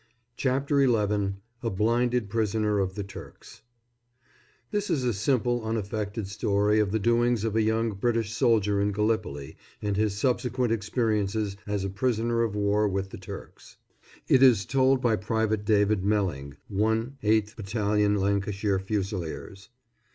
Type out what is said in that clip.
CHAPTER XI A BLINDED PRISONER OF THE TURKS [This is a simple, unaffected story of the doings of a young British soldier in Gallipoli and his subsequent experiences as a prisoner of war with the Turks. It is told by Private David Melling, 1/8th Battalion Lancashire Fusiliers.